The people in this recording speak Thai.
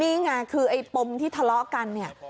นี่ไงคือไอ้ปมที่ทะเลาะกันเนี่ย